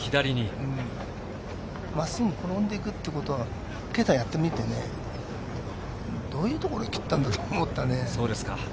真っすぐ転んで行くということは今朝やってみて、どういうところに切ったんだ？と思ったね。